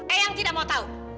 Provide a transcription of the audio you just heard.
eyang tidak mau tahu